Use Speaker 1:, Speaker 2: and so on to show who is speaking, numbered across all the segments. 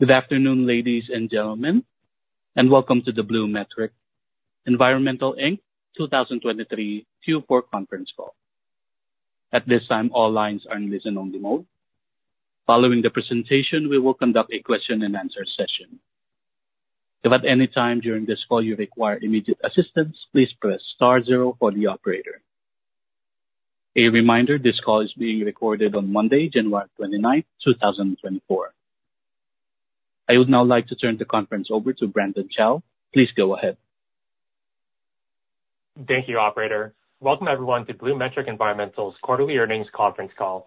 Speaker 1: Good afternoon, ladies and gentlemen, and welcome to the BluMetric Environmental Inc. 2023 Q4 conference call. At this time, all lines are in listen-only mode. Following the presentation, we will conduct a question-and-answer session. If at any time during this call you require immediate assistance, please press star zero for the operator. A reminder: this call is being recorded on Monday, January 29, 2024. I would now like to turn the conference over to Brandon Chow. Please go ahead.
Speaker 2: Thank you, Operator. Welcome, everyone, to BluMetric Environmental's quarterly earnings conference call.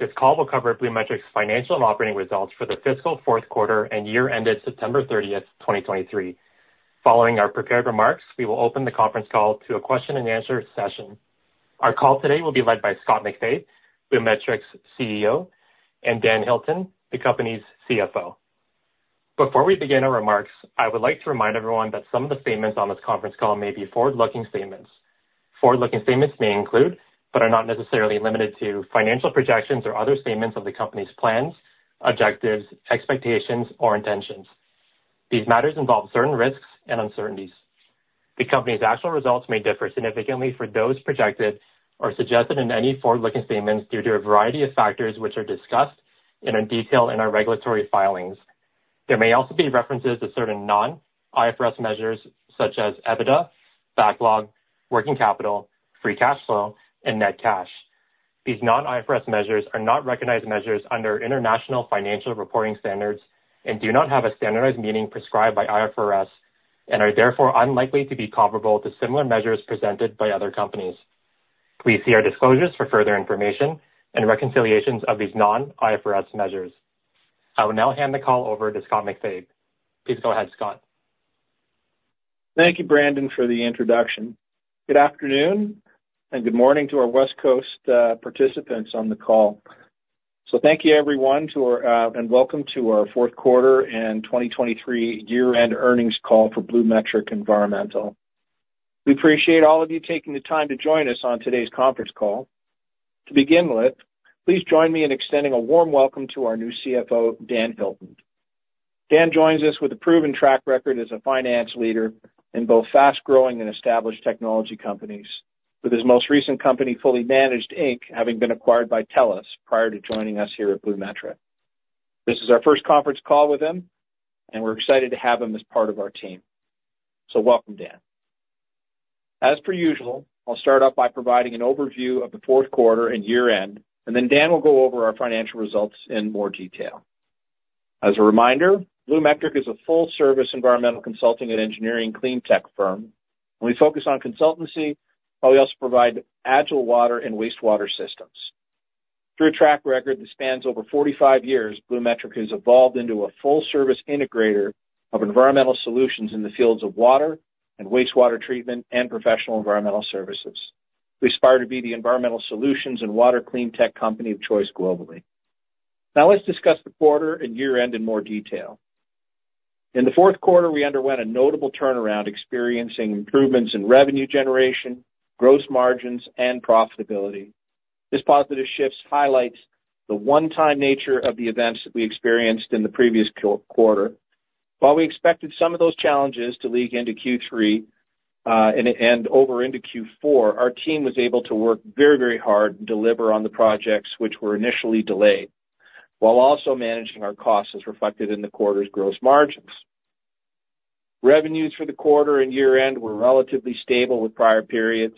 Speaker 2: This call will cover BluMetric's financial and operating results for the fiscal fourth quarter and year ended September 30th, 2023. Following our prepared remarks, we will open the conference call to a question-and-answer session. Our call today will be led by Scott MacFabe, BluMetric's CEO, and Dan Hilton, the company's CFO. Before we begin our remarks, I would like to remind everyone that some of the statements on this conference call may be forward-looking statements. Forward-looking statements may include but are not necessarily limited to financial projections or other statements of the company's plans, objectives, expectations, or intentions. These matters involve certain risks and uncertainties. The company's actual results may differ significantly from those projected or suggested in any forward-looking statements due to a variety of factors which are discussed in detail in our regulatory filings. There may also be references to certain non-IFRS measures such as EBITDA, backlog, working capital, free cash flow, and net cash. These non-IFRS measures are not recognized measures under international financial reporting standards and do not have a standardized meaning prescribed by IFRS and are therefore unlikely to be comparable to similar measures presented by other companies. Please see our disclosures for further information and reconciliations of these non-IFRS measures. I will now hand the call over to Scott MacFabe. Please go ahead, Scott.
Speaker 3: Thank you, Brandon, for the introduction. Good afternoon and good morning to our West Coast participants on the call. So thank you, everyone, and welcome to our fourth quarter and 2023 year-end earnings call for BluMetric Environmental. We appreciate all of you taking the time to join us on today's conference call. To begin with, please join me in extending a warm welcome to our new CFO, Dan Hilton. Dan joins us with a proven track record as a finance leader in both fast-growing and established technology companies, with his most recent company, Fully Managed Inc., having been acquired by TELUS prior to joining us here at BluMetric. This is our first conference call with him, and we're excited to have him as part of our team. So welcome, Dan. As per usual, I'll start off by providing an overview of the fourth quarter and year-end, and then Dan will go over our financial results in more detail. As a reminder, BluMetric is a full-service environmental consulting and engineering cleantech firm, and we focus on consultancy while we also provide agile water and wastewater systems. Through a track record that spans over 45 years, BluMetric has evolved into a full-service integrator of environmental solutions in the fields of water and wastewater treatment and professional environmental services. We aspire to be the environmental solutions and water cleantech company of choice globally. Now let's discuss the quarter and year-end in more detail. In the fourth quarter, we underwent a notable turnaround, experiencing improvements in revenue generation, gross margins, and profitability. This positive shift highlights the one-time nature of the events that we experienced in the previous quarter. While we expected some of those challenges to leak into Q3 and over into Q4, our team was able to work very, very hard and deliver on the projects which were initially delayed while also managing our costs as reflected in the quarter's gross margins. Revenues for the quarter and year-end were relatively stable with prior periods,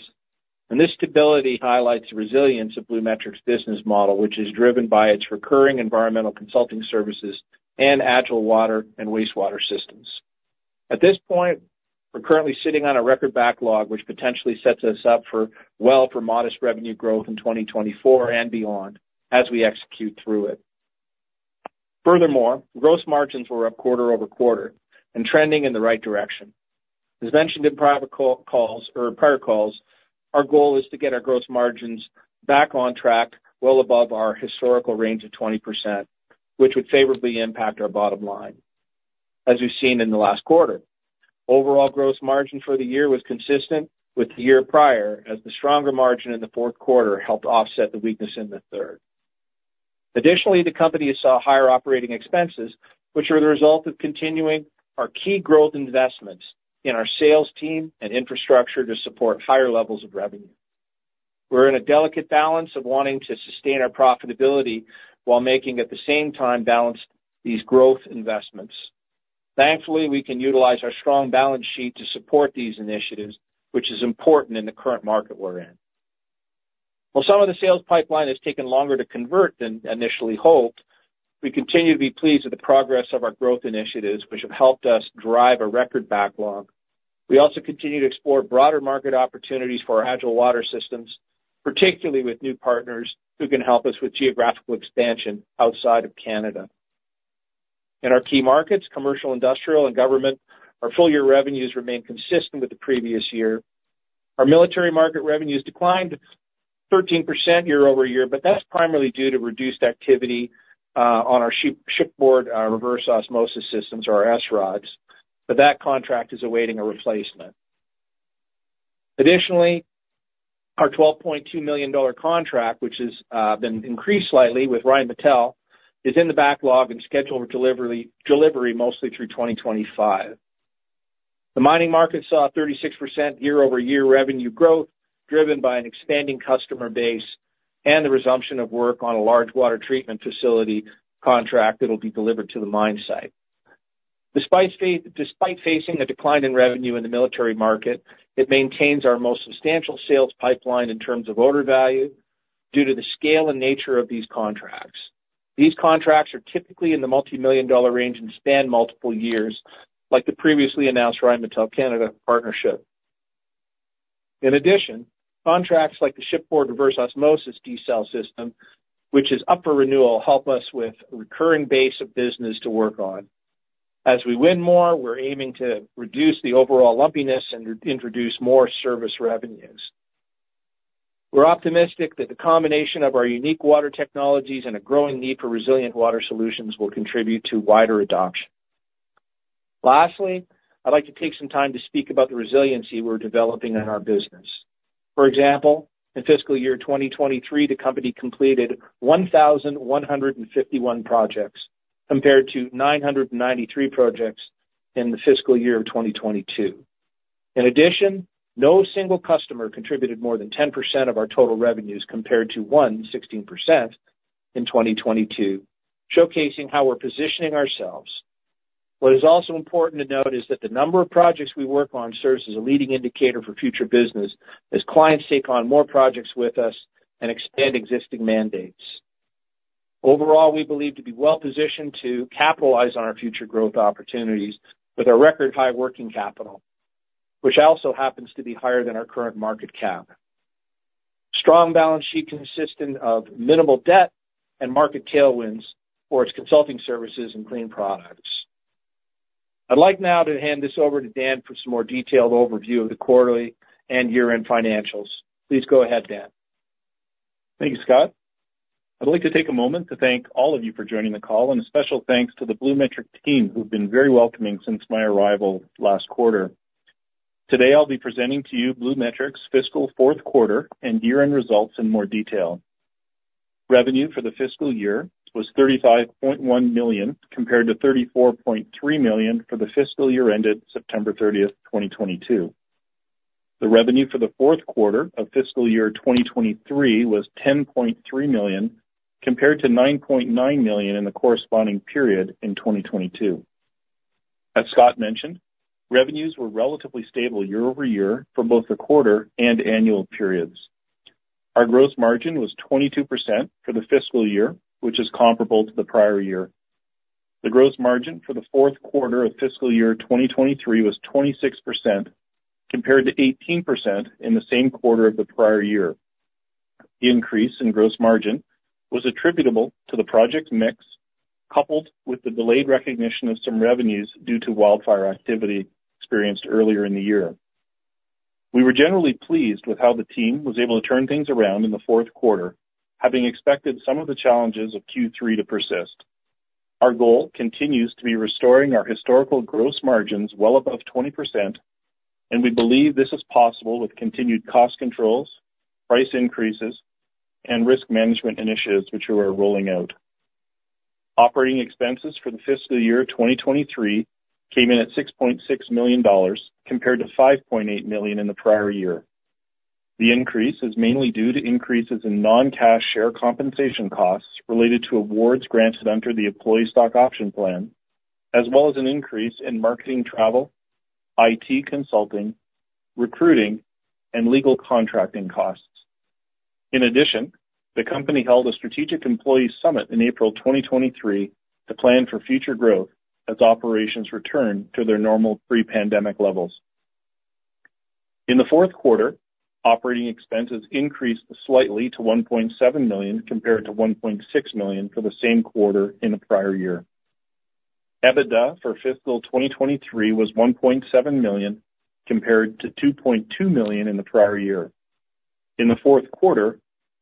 Speaker 3: and this stability highlights the resilience of BluMetric's business model, which is driven by its recurring environmental consulting services and agile water and wastewater systems. At this point, we're currently sitting on a record backlog, which potentially sets us up well for modest revenue growth in 2024 and beyond as we execute through it. Furthermore, gross margins were up quarter-over-quarter and trending in the right direction. As mentioned in prior calls, our goal is to get our gross margins back on track well above our historical range of 20%, which would favorably impact our bottom line, as we've seen in the last quarter. Overall gross margin for the year was consistent with the year prior, as the stronger margin in the fourth quarter helped offset the weakness in the third. Additionally, the company saw higher operating expenses, which are the result of continuing our key growth investments in our sales team and infrastructure to support higher levels of revenue. We're in a delicate balance of wanting to sustain our profitability while making, at the same time, balance these growth investments. Thankfully, we can utilize our strong balance sheet to support these initiatives, which is important in the current market we're in. While some of the sales pipeline has taken longer to convert than initially hoped, we continue to be pleased with the progress of our growth initiatives, which have helped us drive a record backlog. We also continue to explore broader market opportunities for our agile water systems, particularly with new partners who can help us with geographical expansion outside of Canada. In our key markets, commercial, industrial, and government, our full-year revenues remain consistent with the previous year. Our military market revenues declined 13% year-over-year, but that's primarily due to reduced activity on our shipboard reverse osmosis systems, or our SRODs, but that contract is awaiting a replacement. Additionally, our 12.2 million dollar contract, which has been increased slightly with Rheinmetall, is in the backlog and scheduled for delivery mostly through 2025. The mining market saw 36% year-over-year revenue growth driven by an expanding customer base and the resumption of work on a large water treatment facility contract that will be delivered to the mine site. Despite facing a decline in revenue in the military market, it maintains our most substantial sales pipeline in terms of order value due to the scale and nature of these contracts. These contracts are typically in the multimillion-dollar range and span multiple years, like the previously announced Rheinmetall Canada partnership. In addition, contracts like the shipboard reverse osmosis desal system, which is up for renewal, help us with a recurring base of business to work on. As we win more, we're aiming to reduce the overall lumpiness and introduce more service revenues. We're optimistic that the combination of our unique water technologies and a growing need for resilient water solutions will contribute to wider adoption. Lastly, I'd like to take some time to speak about the resiliency we're developing in our business. For example, in fiscal year 2023, the company completed 1,151 projects compared to 993 projects in the fiscal year of 2022. In addition, no single customer contributed more than 10% of our total revenues compared to 116% in 2022, showcasing how we're positioning ourselves. What is also important to note is that the number of projects we work on serves as a leading indicator for future business as clients take on more projects with us and expand existing mandates. Overall, we believe to be well positioned to capitalize on our future growth opportunities with our record high working capital, which also happens to be higher than our current market cap, a strong balance sheet consistent of minimal debt and market tailwinds for its consulting services and clean products. I'd like now to hand this over to Dan for some more detailed overview of the quarterly and year-end financials. Please go ahead, Dan.
Speaker 4: Thank you, Scott. I'd like to take a moment to thank all of you for joining the call, and a special thanks to the BluMetric team who've been very welcoming since my arrival last quarter. Today, I'll be presenting to you BluMetric's fiscal fourth quarter and year-end results in more detail. Revenue for the fiscal year was CAD 35.1 million compared to CAD 34.3 million for the fiscal year ended September 30th, 2022. The revenue for the fourth quarter of fiscal year 2023 was 10.3 million compared to 9.9 million in the corresponding period in 2022. As Scott mentioned, revenues were relatively stable year-over-year for both the quarter and annual periods. Our gross margin was 22% for the fiscal year, which is comparable to the prior year. The gross margin for the fourth quarter of fiscal year 2023 was 26% compared to 18% in the same quarter of the prior year. The increase in gross margin was attributable to the project mix coupled with the delayed recognition of some revenues due to wildfire activity experienced earlier in the year. We were generally pleased with how the team was able to turn things around in the fourth quarter, having expected some of the challenges of Q3 to persist. Our goal continues to be restoring our historical gross margins well above 20%, and we believe this is possible with continued cost controls, price increases, and risk management initiatives which we are rolling out. Operating expenses for the fiscal year 2023 came in at 6.6 million dollars compared to 5.8 million in the prior year. The increase is mainly due to increases in non-cash share compensation costs related to awards granted under the Employee Stock Option Plan, as well as an increase in marketing travel, IT consulting, recruiting, and legal contracting costs. In addition, the company held a strategic employee summit in April 2023 to plan for future growth as operations return to their normal pre-pandemic levels. In the fourth quarter, operating expenses increased slightly to 1.7 million compared to 1.6 million for the same quarter in the prior year. EBITDA for fiscal 2023 was 1.7 million compared to 2.2 million in the prior year. In the fourth quarter,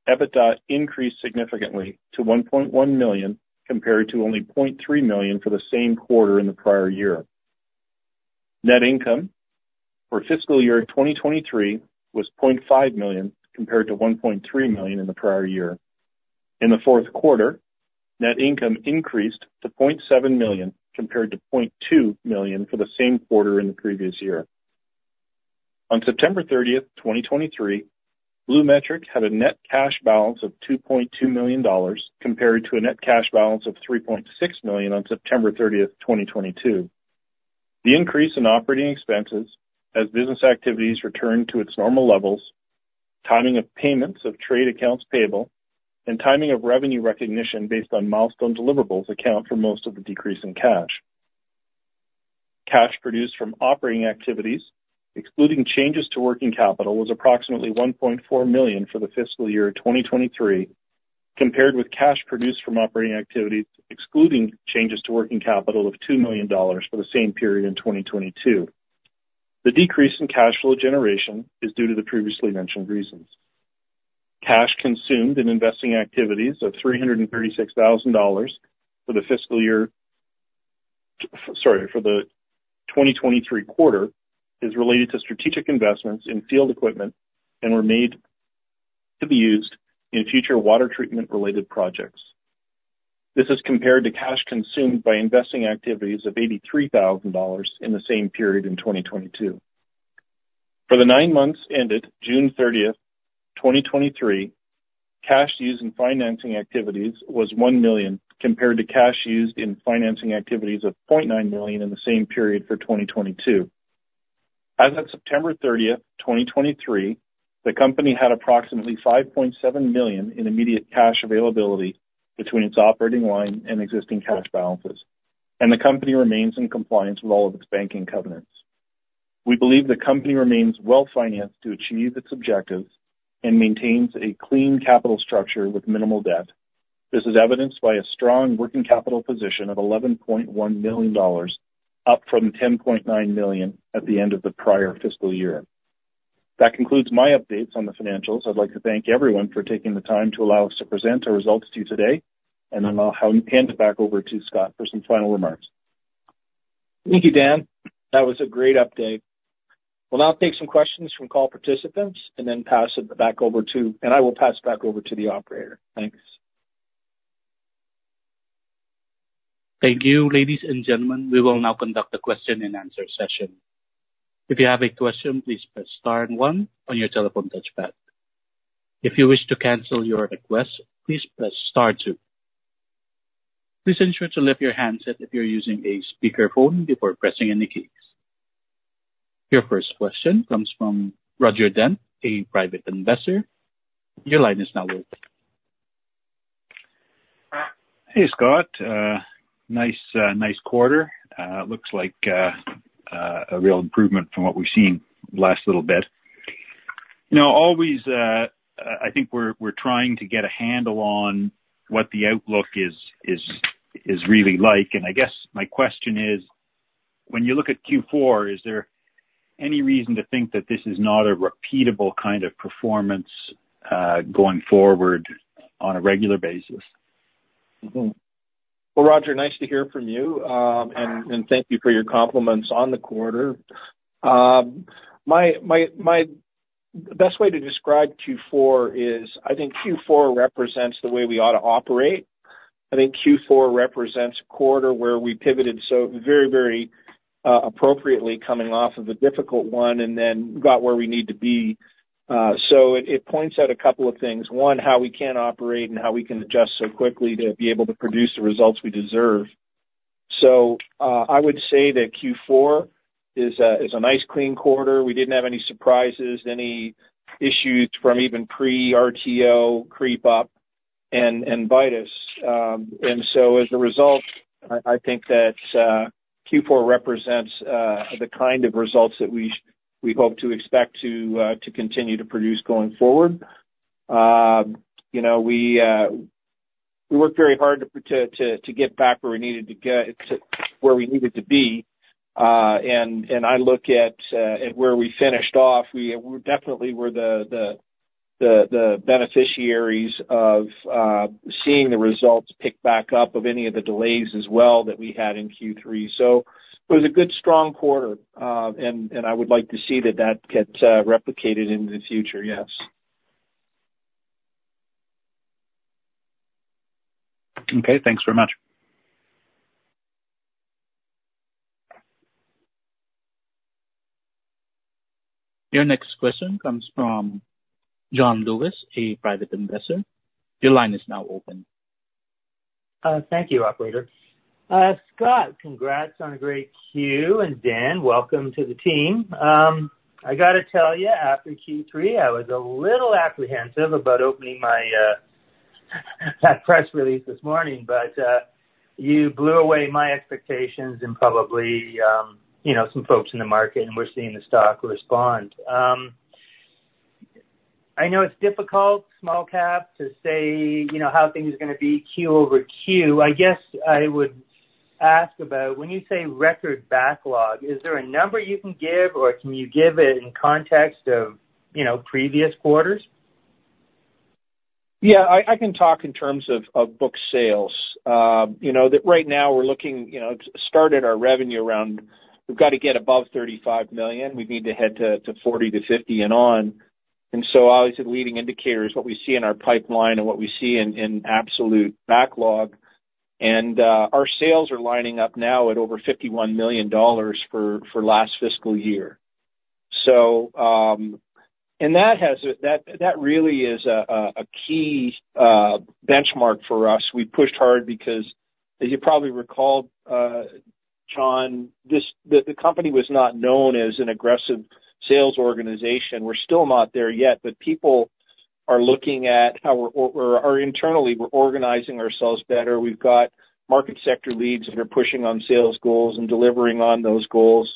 Speaker 4: EBITDA increased significantly to 1.1 million compared to only 0.3 million for the same quarter in the prior year. Net income for fiscal year 2023 was 0.5 million compared to 1.3 million in the prior year. In the fourth quarter, net income increased to 0.7 million compared to 0.2 million for the same quarter in the previous year. On September 30th, 2023, BluMetric had a net cash balance of 2.2 million dollars compared to a net cash balance of 3.6 million on September 30th, 2022. The increase in operating expenses as business activities returned to its normal levels, timing of payments of trade accounts payable, and timing of revenue recognition based on milestone deliverables account for most of the decrease in cash. Cash produced from operating activities, excluding changes to working capital, was approximately 1.4 million for the fiscal year 2023 compared with cash produced from operating activities, excluding changes to working capital, of 2 million dollars for the same period in 2022. The decrease in cash flow generation is due to the previously mentioned reasons. Cash consumed in investing activities of 336,000 dollars for the fiscal year sorry, for the 2023 quarter is related to strategic investments in field equipment and were made to be used in future water treatment-related projects. This is compared to cash consumed by investing activities of 83,000 dollars in the same period in 2022. For the nine months ended June 30th, 2023, cash used in financing activities was 1 million compared to cash used in financing activities of 0.9 million in the same period for 2022. As of September 30th, 2023, the company had approximately 5.7 million in immediate cash availability between its operating line and existing cash balances, and the company remains in compliance with all of its banking covenants. We believe the company remains well financed to achieve its objectives and maintains a clean capital structure with minimal debt. This is evidenced by a strong working capital position of 11.1 million dollars, up from 10.9 million at the end of the prior fiscal year. That concludes my updates on the financials. I'd like to thank everyone for taking the time to allow us to present our results to you today, and then I'll hand it back over to Scott for some final remarks.
Speaker 3: Thank you, Dan. That was a great update. We'll now take some questions from call participants and then pass it back over to the Operator. Thanks.
Speaker 1: Thank you, ladies and gentlemen. We will now conduct a question-and-answer session. If you have a question, please press star one on your telephone touchpad. If you wish to cancel your request, please press star two. Please ensure to lift your handset if you're using a speakerphone before pressing any keys. Your first question comes from Roger Dent, a private investor. Your line is now open.
Speaker 5: Hey, Scott. Nice quarter. Looks like a real improvement from what we've seen the last little bit. I think we're trying to get a handle on what the outlook is really like. I guess my question is, when you look at Q4, is there any reason to think that this is not a repeatable kind of performance going forward on a regular basis?
Speaker 3: Well, Roger, nice to hear from you, and thank you for your compliments on the quarter. The best way to describe Q4 is, I think, Q4 represents the way we ought to operate. I think Q4 represents a quarter where we pivoted so very, very appropriately, coming off of a difficult one and then got where we need to be. So it points out a couple of things. One, how we can operate and how we can adjust so quickly to be able to produce the results we deserve. So I would say that Q4 is a nice, clean quarter. We didn't have any surprises, any issues from even pre-RTO creep-up and invitus. And so as a result, I think that Q4 represents the kind of results that we hope to expect to continue to produce going forward. We worked very hard to get back where we needed to get where we needed to be. I look at where we finished off, we definitely were the beneficiaries of seeing the results pick back up of any of the delays as well that we had in Q3. It was a good, strong quarter, and I would like to see that that gets replicated in the future, yes.
Speaker 5: Okay. Thanks very much.
Speaker 1: Your next question comes from John Lewis, a private investor. Your line is now open.
Speaker 6: Thank you, Operator. Scott, congrats on a great Q, and Dan, welcome to the team. I got to tell you, after Q3, I was a little apprehensive about opening that press release this morning, but you blew away my expectations and probably some folks in the market, and we're seeing the stock respond. I know it's difficult, small cap, to say how things are going to be Q over Q. I guess I would ask about when you say record backlog, is there a number you can give, or can you give it in context of previous quarters?
Speaker 3: Yeah. I can talk in terms of book sales. Right now, we're looking to start at our revenue around. We've got to get above 35 million. We need to head to 40 million-50 million and on. So obviously, the leading indicator is what we see in our pipeline and what we see in absolute backlog. And our sales are lining up now at over 51 million dollars for last fiscal year. And that really is a key benchmark for us. We pushed hard because, as you probably recall, John, the company was not known as an aggressive sales organization. We're still not there yet, but people are looking at how we're or internally, we're organizing ourselves better. We've got market sector leads that are pushing on sales goals and delivering on those goals.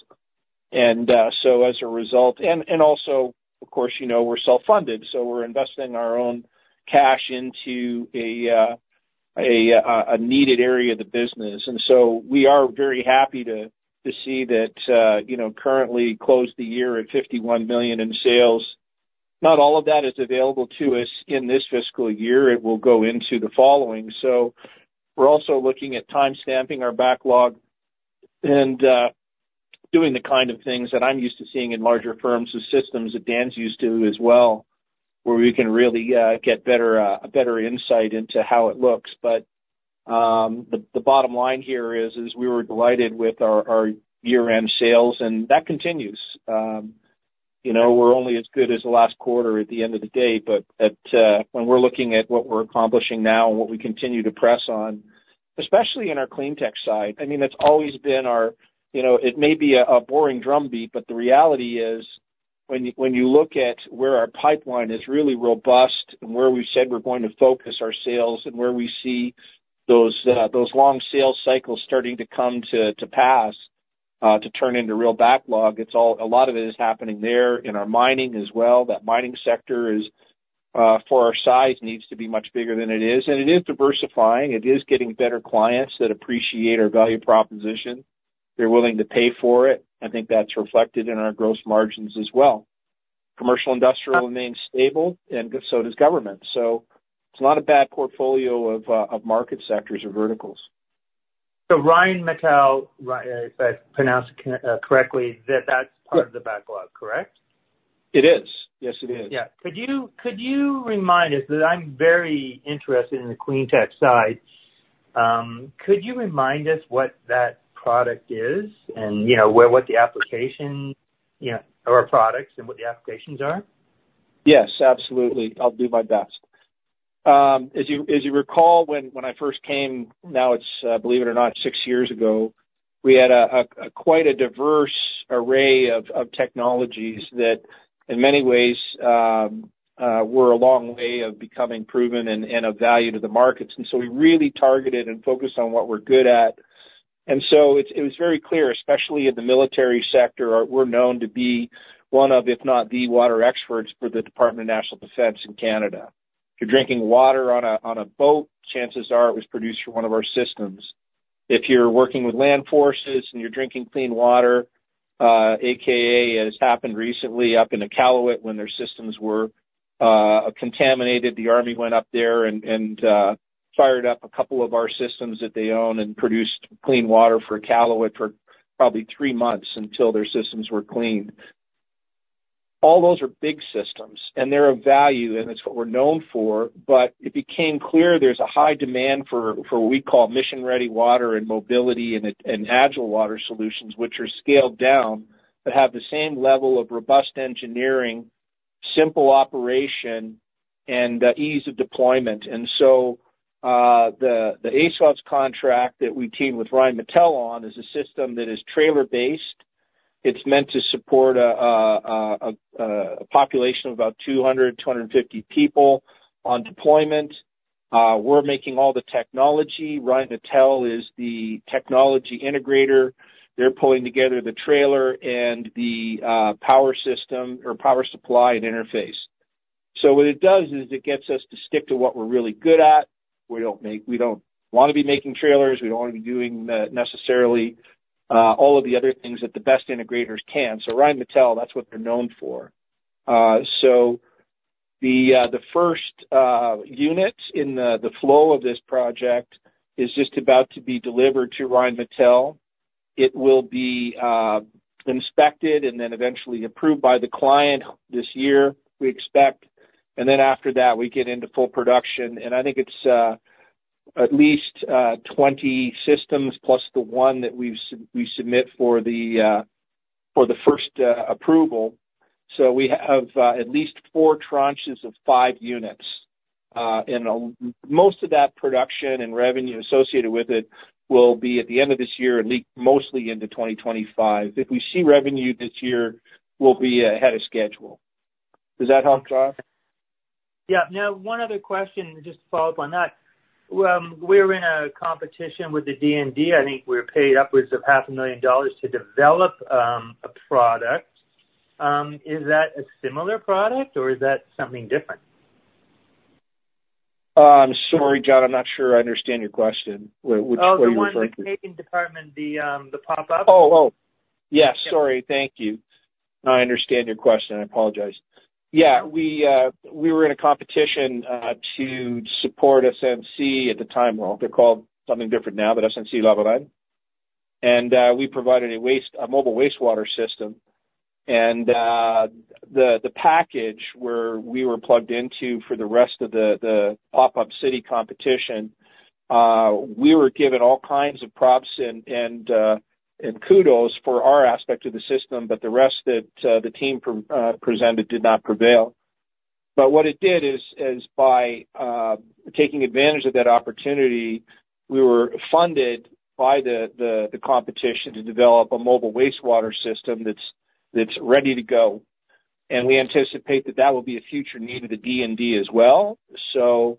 Speaker 3: As a result and also, of course, we're self-funded, so we're investing our own cash into a needed area of the business. We are very happy to see that we closed the year at 51 million in sales. Not all of that is available to us in this fiscal year. It will go into the following. So we're also looking at time-stamping our backlog and doing the kind of things that I'm used to seeing in larger firms and systems that Dan's used to as well, where we can really get better insight into how it looks. But the bottom line here is we were delighted with our year-end sales, and that continues. We're only as good as the last quarter at the end of the day. But when we're looking at what we're accomplishing now and what we continue to press on, especially in our cleantech side, I mean, it's always been our, it may be a boring drumbeat, but the reality is when you look at where our pipeline is really robust and where we've said we're going to focus our sales and where we see those long sales cycles starting to come to pass to turn into real backlog, a lot of it is happening there in our mining as well. That mining sector, for our size, needs to be much bigger than it is. And it is diversifying. It is getting better clients that appreciate our value proposition. They're willing to pay for it. I think that's reflected in our gross margins as well. Commercial industrial remains stable, and so does government. So it's not a bad portfolio of market sectors or verticals.
Speaker 6: So Rheinmetall, if I've pronounced it correctly, that that's part of the backlog, correct?
Speaker 3: It is. Yes, it is.
Speaker 6: Yeah. Could you remind us because I'm very interested in the cleantech side. Could you remind us what that product is and what the applications or products and what the applications are?
Speaker 3: Yes, absolutely. I'll do my best. As you recall, when I first came now, it's, believe it or not, six years ago, we had quite a diverse array of technologies that, in many ways, were a long way of becoming proven and of value to the markets. And so we really targeted and focused on what we're good at. And so it was very clear, especially in the military sector, we're known to be one of, if not the, water experts for the Department of National Defence in Canada. If you're drinking water on a boat, chances are it was produced from one of our systems. If you're working with land forces and you're drinking clean water, AKA, as happened recently up in Iqaluit when their systems were contaminated, the army went up there and fired up a couple of our systems that they own and produced clean water for Iqaluit for probably three months until their systems were cleaned. All those are big systems, and they're of value, and that's what we're known for. But it became clear there's a high demand for what we call mission-ready water and mobility and agile water solutions, which are scaled down but have the same level of robust engineering, simple operation, and ease of deployment. And so the ASUWPS contract that we came with Rheinmetall on is a system that is trailer-based. It's meant to support a population of about 200-250 people on deployment. We're making all the technology. Rheinmetall is the technology integrator. They're pulling together the trailer and the power system or power supply and interface. So what it does is it gets us to stick to what we're really good at. We don't want to be making trailers. We don't want to be doing necessarily all of the other things that the best integrators can. So Rheinmetall, that's what they're known for. So the first unit in the flow of this project is just about to be delivered to Rheinmetall. It will be inspected and then eventually approved by the client this year, we expect. And then after that, we get into full production. And I think it's at least 20 systems plus the one that we submit for the first approval. So we have at least four tranches of five units. Most of that production and revenue associated with it will be at the end of this year and leak mostly into 2025. If we see revenue this year, we'll be ahead of schedule. Does that help, John?
Speaker 6: Yeah. Now, one other question just to follow up on that. We're in a competition with the DND. I think we're paid upwards of 500,000 dollars to develop a product. Is that a similar product, or is that something different?
Speaker 3: I'm sorry, John. I'm not sure I understand your question. What are you referring to?
Speaker 6: Oh, the one in the Canadian department, the pop-up?
Speaker 3: Oh, oh. Yes. Sorry. Thank you. I understand your question. I apologize. Yeah. We were in a competition to support SNC at the time. Well, they're called something different now, but SNC-Lavalin. And we provided a mobile wastewater system. And the package where we were plugged into for the rest of the Pop-Up City competition, we were given all kinds of props and kudos for our aspect of the system, but the rest that the team presented did not prevail. But what it did is, by taking advantage of that opportunity, we were funded by the competition to develop a mobile wastewater system that's ready to go. And we anticipate that that will be a future need of the DND as well. So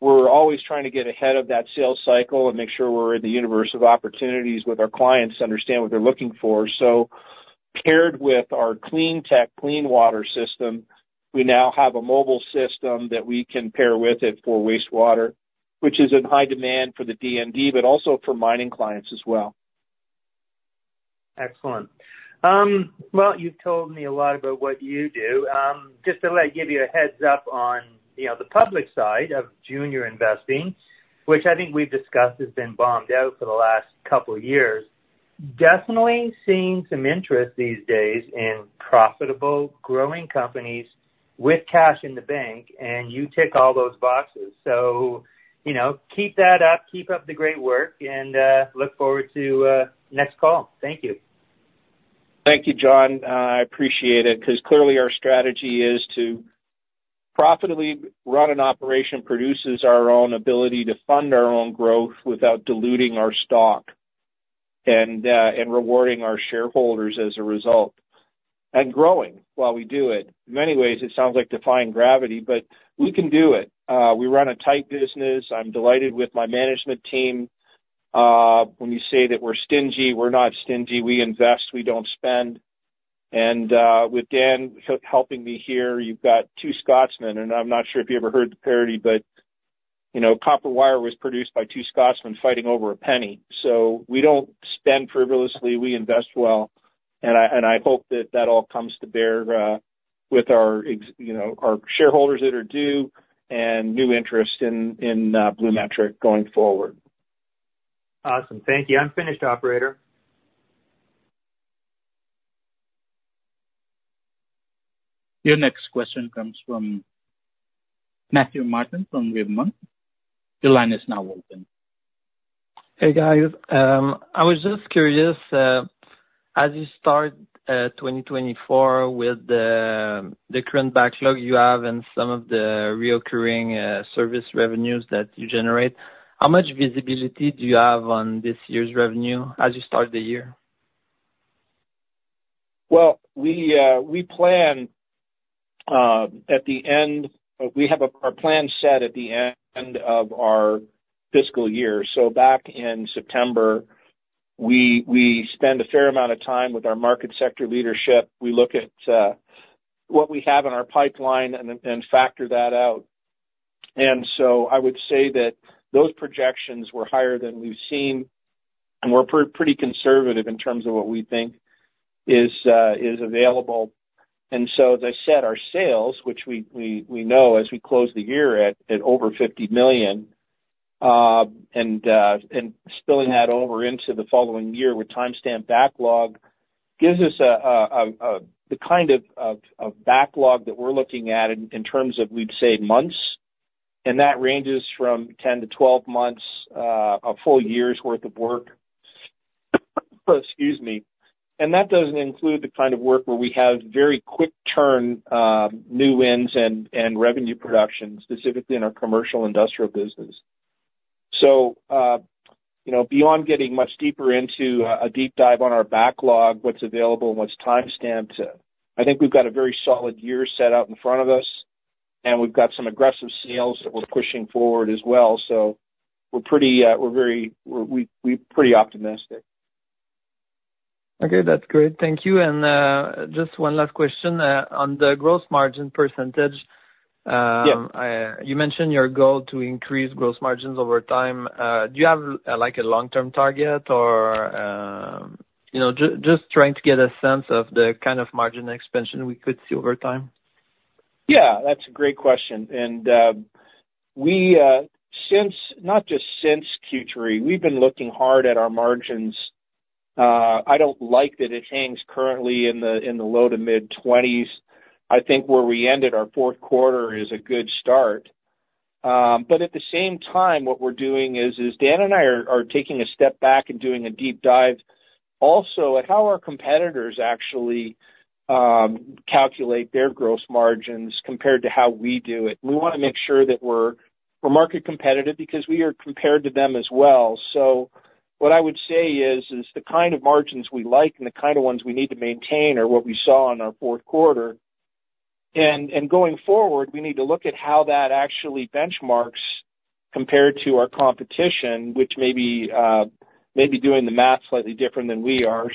Speaker 3: we're always trying to get ahead of that sales cycle and make sure we're in the universe of opportunities with our clients to understand what they're looking for. So paired with our cleantech clean water system, we now have a mobile system that we can pair with it for wastewater, which is in high demand for the DND but also for mining clients as well.
Speaker 6: Excellent. Well, you've told me a lot about what you do. Just to give you a heads-up on the public side of junior investing, which I think we've discussed has been bombed out for the last couple of years, definitely seeing some interest these days in profitable, growing companies with cash in the bank, and you tick all those boxes. So keep that up. Keep up the great work, and look forward to next call. Thank you.
Speaker 3: Thank you, John. I appreciate it because clearly, our strategy is to profitably run an operation that produces our own ability to fund our own growth without diluting our stock and rewarding our shareholders as a result and growing while we do it. In many ways, it sounds like defying gravity, but we can do it. We run a tight business. I'm delighted with my management team. When you say that we're stingy, we're not stingy. We invest. We don't spend. And with Dan helping me here, you've got two Scotsmen. And I'm not sure if you ever heard the parody, but copper wire was produced by two Scotsmen fighting over a penny. So we don't spend frivolously. We invest well. And I hope that that all comes to bear with our shareholders that are due and new interest in BluMetric going forward.
Speaker 6: Awesome. Thank you. I'm finished, Operator.
Speaker 1: Your next question comes from Mathieu Martin from Rivemont. Your line is now open.
Speaker 7: Hey, guys. I was just curious, as you start 2024 with the current backlog you have and some of the recurring service revenues that you generate, how much visibility do you have on this year's revenue as you start the year?
Speaker 3: Well, we plan at the end we have our plan set at the end of our fiscal year. So back in September, we spend a fair amount of time with our market sector leadership. We look at what we have in our pipeline and factor that out. And so I would say that those projections were higher than we've seen, and we're pretty conservative in terms of what we think is available. And so, as I said, our sales, which we know as we close the year at over 50 million and spilling that over into the following year with time-stamp backlog, gives us the kind of backlog that we're looking at in terms of, we'd say, months. And that ranges from 10-12 months, a full-year's worth of work. Excuse me. That doesn't include the kind of work where we have very quick-turn new wins and revenue production, specifically in our commercial industrial business. Beyond getting much deeper into a deep dive on our backlog, what's available, and what's time-stamped, I think we've got a very solid year set out in front of us, and we've got some aggressive sales that we're pushing forward as well. We're pretty optimistic.
Speaker 7: Okay. That's great. Thank you. And just one last question. On the gross margin percentage, you mentioned your goal to increase gross margins over time. Do you have a long-term target, or just trying to get a sense of the kind of margin expansion we could see over time?
Speaker 3: Yeah. That's a great question. And not just since Q3, we've been looking hard at our margins. I don't like that it hangs currently in the low to mid-20s. I think where we ended our fourth quarter is a good start. But at the same time, what we're doing is Dan and I are taking a step back and doing a deep dive also at how our competitors actually calculate their gross margins compared to how we do it. We want to make sure that we're market competitive because we are compared to them as well. So what I would say is the kind of margins we like and the kind of ones we need to maintain are what we saw in our fourth quarter. Going forward, we need to look at how that actually benchmarks compared to our competition, which may be doing the math slightly different than we are.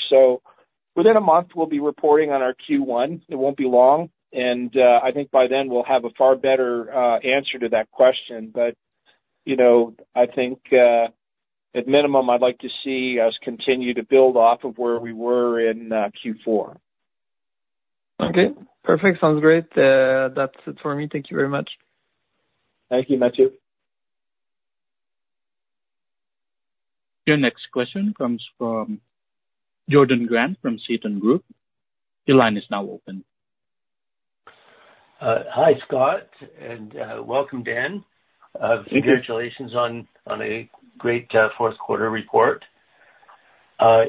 Speaker 3: Within a month, we'll be reporting on our Q1. It won't be long. I think by then, we'll have a far better answer to that question. I think, at minimum, I'd like to see us continue to build off of where we were in Q4.
Speaker 7: Okay. Perfect. Sounds great. That's it for me. Thank you very much.
Speaker 3: Thank you, Mathieu.
Speaker 1: Your next question comes from Jordan Grant from Seaton Group. Your line is now open.
Speaker 8: Hi, Scott, and welcome, Dan. Congratulations on a great fourth-quarter report.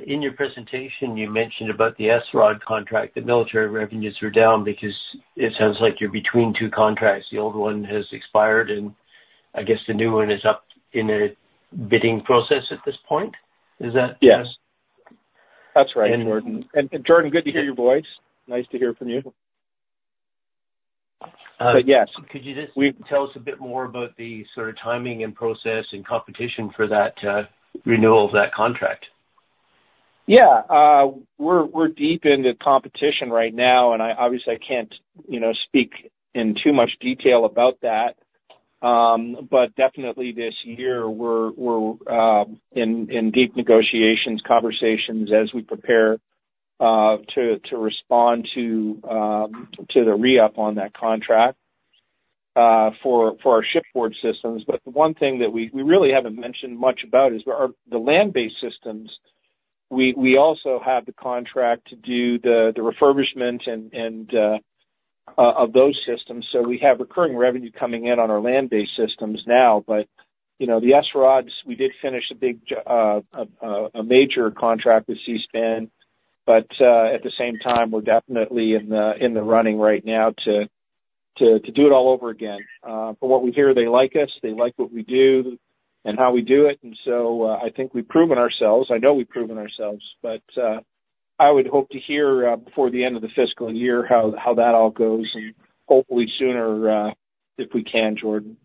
Speaker 8: In your presentation, you mentioned about the SROD contract, that military revenues were down because it sounds like you're between two contracts. The old one has expired, and I guess the new one is up in a bidding process at this point. Is that?
Speaker 3: Yes. That's right, Jordan. And Jordan, good to hear your voice. Nice to hear from you. But yes.
Speaker 8: Could you just tell us a bit more about the sort of timing and process and competition for that renewal of that contract?
Speaker 3: Yeah. We're deep into competition right now, and obviously, I can't speak in too much detail about that. But definitely, this year, we're in deep negotiations, conversations as we prepare to respond to the re-up on that contract for our shipboard systems. But the one thing that we really haven't mentioned much about is the land-based systems. We also have the contract to do the refurbishment of those systems. So we have recurring revenue coming in on our land-based systems now. But the SRODs, we did finish a major contract with Seaspan. But at the same time, we're definitely in the running right now to do it all over again. From what we hear, they like us. They like what we do and how we do it. And so I think we've proven ourselves. I know we've proven ourselves. I would hope to hear before the end of the fiscal year how that all goes and hopefully sooner if we can, Jordan.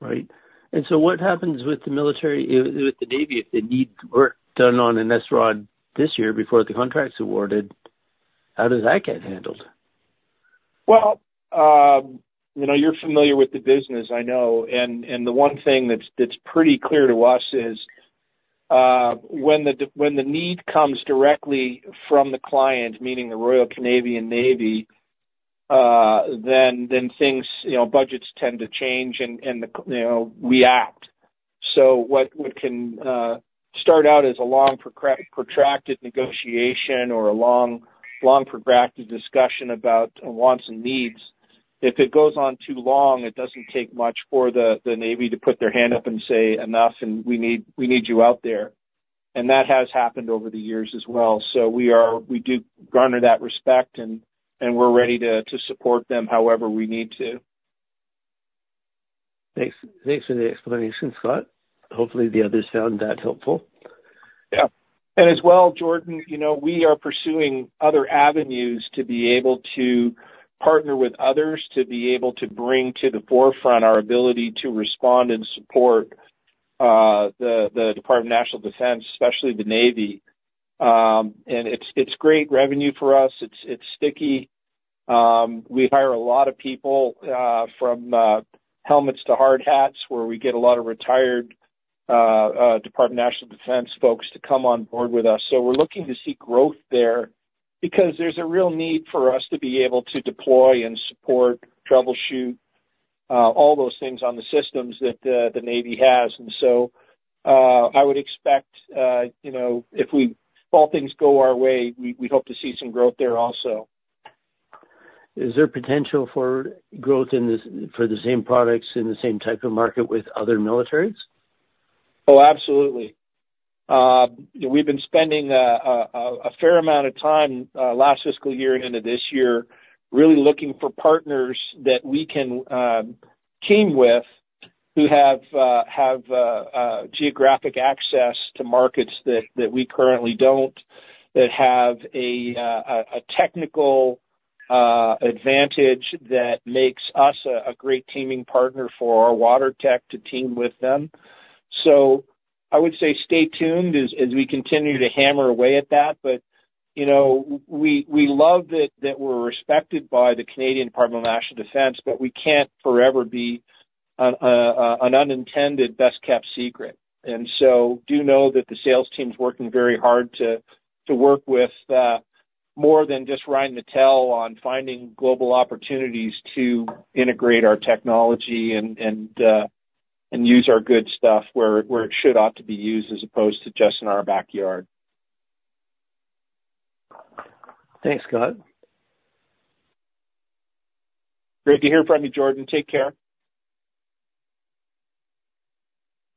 Speaker 8: Right. And so what happens with the military, with the Navy if they need work done on an SROD this year before the contract's awarded? How does that get handled?
Speaker 3: Well, you're familiar with the business, I know. And the one thing that's pretty clear to us is when the need comes directly from the client, meaning the Royal Canadian Navy, then budgets tend to change, and we act. So what can start out as a long, protracted negotiation or a long, protracted discussion about wants and needs, if it goes on too long, it doesn't take much for the Navy to put their hand up and say, "Enough, and we need you out there." And that has happened over the years as well. So we do garner that respect, and we're ready to support them however we need to.
Speaker 8: Thanks for the explanation, Scott. Hopefully, the others found that helpful.
Speaker 3: Yeah. And as well, Jordan, we are pursuing other avenues to be able to partner with others, to be able to bring to the forefront our ability to respond and support the Department of National Defence, especially the Navy. And it's great revenue for us. It's sticky. We hire a lot of people from Helmets to Hardhats where we get a lot of retired Department of National Defence folks to come on board with us. So we're looking to see growth there because there's a real need for us to be able to deploy and support, troubleshoot all those things on the systems that the Navy has. And so I would expect if all things go our way, we hope to see some growth there also.
Speaker 8: Is there potential for growth for the same products in the same type of market with other militaries?
Speaker 3: Oh, absolutely. We've been spending a fair amount of time last fiscal year and into this year really looking for partners that we can team with who have geographic access to markets that we currently don't, that have a technical advantage that makes us a great teaming partner for our water tech to team with them. So I would say stay tuned as we continue to hammer away at that. But we love that we're respected by the Canadian Department of National Defence, but we can't forever be an unintended best-kept secret. And so do know that the sales team's working very hard to work with more than just Rheinmetall on finding global opportunities to integrate our technology and use our good stuff where it should ought to be used as opposed to just in our backyard.
Speaker 8: Thanks, Scott.
Speaker 3: Great to hear from you, Jordan. Take care.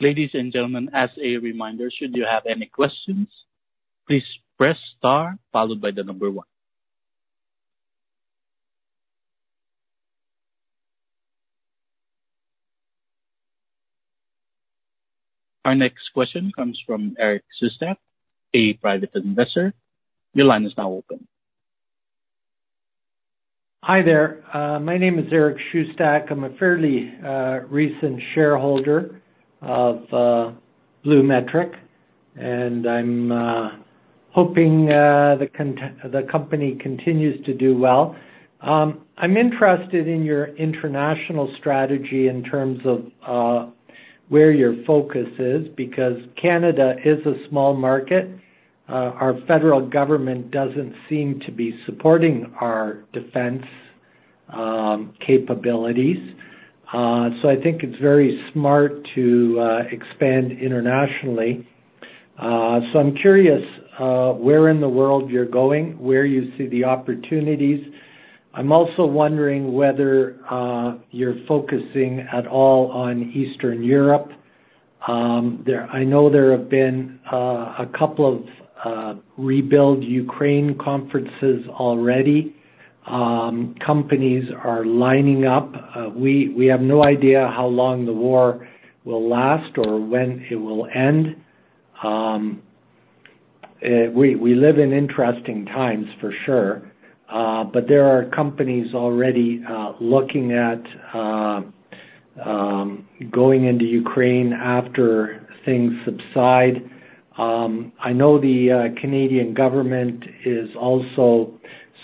Speaker 1: Ladies and gentlemen, as a reminder, should you have any questions, please press star followed by the number one. Our next question comes from Eric Szustak, a private investor. Your line is now open.
Speaker 9: Hi there. My name is Eric Szustak. I'm a fairly recent shareholder of BluMetric, and I'm hoping the company continues to do well. I'm interested in your international strategy in terms of where your focus is because Canada is a small market. Our federal government doesn't seem to be supporting our defense capabilities. So I think it's very smart to expand internationally. So I'm curious where in the world you're going, where you see the opportunities. I'm also wondering whether you're focusing at all on Eastern Europe. I know there have been a couple of Rebuild Ukraine conferences already. Companies are lining up. We have no idea how long the war will last or when it will end. We live in interesting times, for sure. But there are companies already looking at going into Ukraine after things subside. I know the Canadian government is also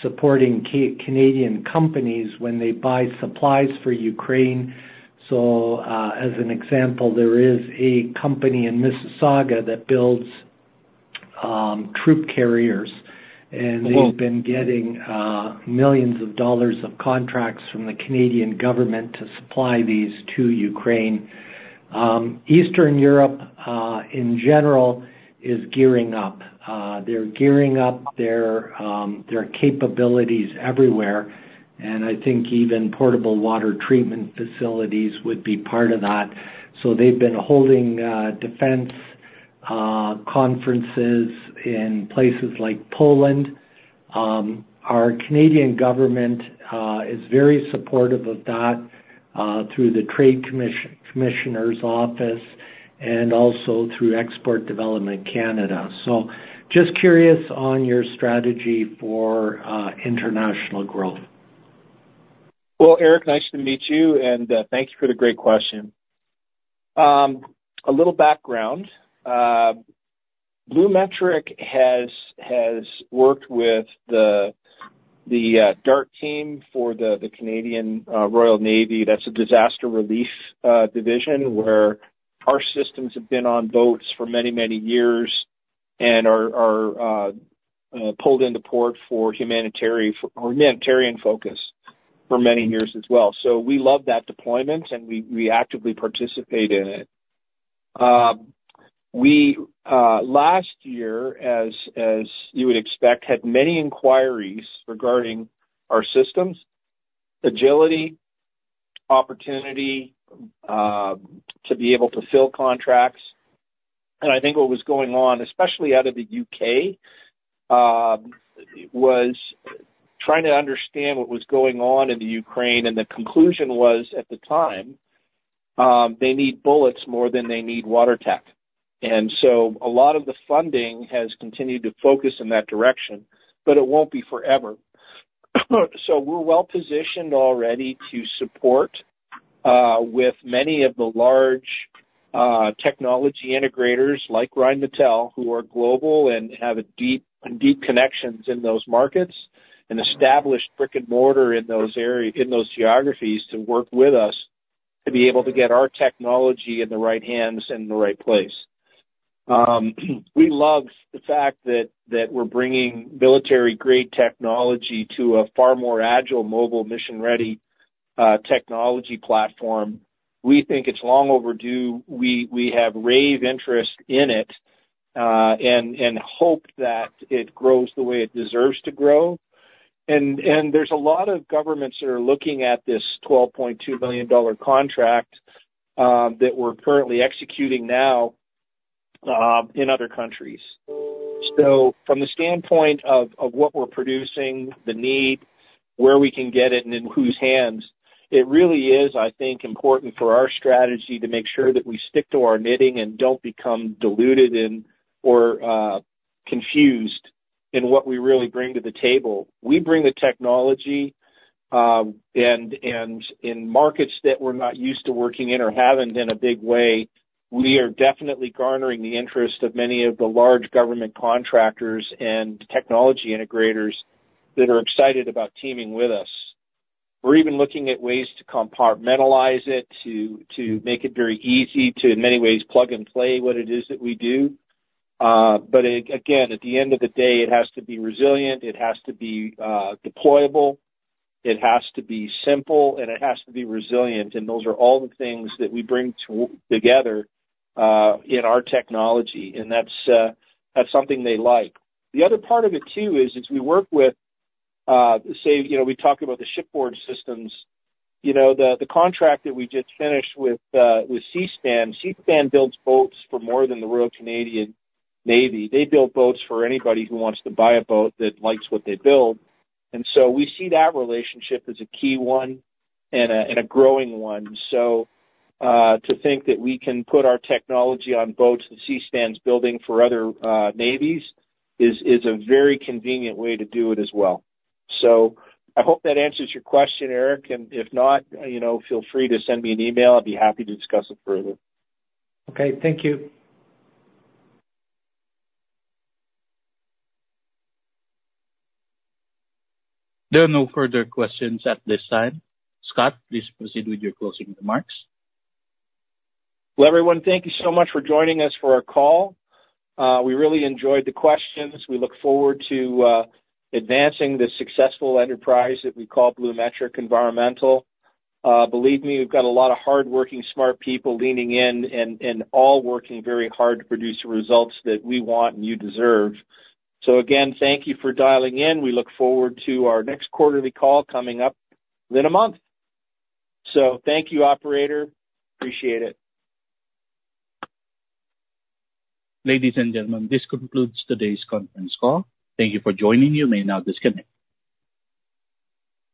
Speaker 9: supporting Canadian companies when they buy supplies for Ukraine. So as an example, there is a company in Mississauga that builds troop carriers, and they've been getting millions of dollars of contracts from the Canadian government to supply these to Ukraine. Eastern Europe, in general, is gearing up. They're gearing up their capabilities everywhere. And I think even portable water treatment facilities would be part of that. So they've been holding defense conferences in places like Poland. Our Canadian government is very supportive of that through the Trade Commissioner’s office and also through Export Development Canada. So just curious on your strategy for international growth.
Speaker 3: Well, Eric, nice to meet you, and thank you for the great question. A little background. BluMetric has worked with the DART team for the Royal Canadian Navy. That's a disaster relief division where our systems have been on boats for many, many years and are pulled into port for humanitarian focus for many years as well. So we love that deployment, and we actively participate in it. Last year, as you would expect, had many inquiries regarding our systems, agility, opportunity to be able to fill contracts. And I think what was going on, especially out of the U.K., was trying to understand what was going on in the Ukraine. And the conclusion was, at the time, they need bullets more than they need water tech. And so a lot of the funding has continued to focus in that direction, but it won't be forever. So we're well-positioned already to support with many of the large technology integrators like Rheinmetall, who are global and have deep connections in those markets and established brick and mortar in those geographies to work with us to be able to get our technology in the right hands and in the right place. We love the fact that we're bringing military-grade technology to a far more agile, mobile, mission-ready technology platform. We think it's long overdue. We have rave interest in it and hope that it grows the way it deserves to grow. And there's a lot of governments that are looking at this 12.2 million dollar contract that we're currently executing now in other countries. So from the standpoint of what we're producing, the need, where we can get it, and in whose hands, it really is, I think, important for our strategy to make sure that we stick to our knitting and don't become diluted or confused in what we really bring to the table. We bring the technology. And in markets that we're not used to working in or haven't in a big way, we are definitely garnering the interest of many of the large government contractors and technology integrators that are excited about teaming with us. We're even looking at ways to compartmentalize it, to make it very easy, to, in many ways, plug and play what it is that we do. But again, at the end of the day, it has to be resilient. It has to be deployable. It has to be simple, and it has to be resilient. Those are all the things that we bring together in our technology. That's something they like. The other part of it, too, is we work with, say, we talk about the shipboard systems. The contract that we just finished with Seaspan, Seaspan builds boats for more than the Royal Canadian Navy. They build boats for anybody who wants to buy a boat that likes what they build. We see that relationship as a key one and a growing one. To think that we can put our technology on boats that Seaspan's building for other Navies is a very convenient way to do it as well. I hope that answers your question, Eric. If not, feel free to send me an email. I'd be happy to discuss it further.
Speaker 9: Okay. Thank you.
Speaker 1: There are no further questions at this time. Scott, please proceed with your closing remarks.
Speaker 3: Well, everyone, thank you so much for joining us for our call. We really enjoyed the questions. We look forward to advancing the successful enterprise that we call BluMetric Environmental. Believe me, we've got a lot of hardworking, smart people leaning in and all working very hard to produce the results that we want and you deserve. So again, thank you for dialing in. We look forward to our next quarterly call coming up in a month. So thank you, Operator. Appreciate it.
Speaker 1: Ladies and gentlemen, this concludes today's conference call. Thank you for joining us. You may now disconnect.